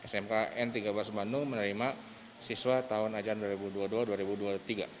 smkn tiga belas bandung menerima siswa tahun ajaran dua ribu dua puluh dua dua ribu dua puluh tiga